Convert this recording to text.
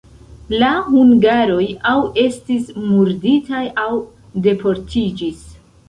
La hungaroj aŭ estis murditaj, aŭ deportiĝis.